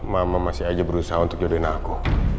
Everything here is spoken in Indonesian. mama masih aja berusaha untuk jodohin aku